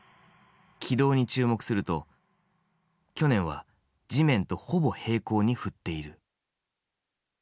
軌道に注目すると去年は地面とほぼ平行に振っている。